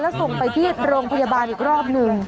แล้วส่งไปที่โรงพยาบาลอีกรอบหนึ่ง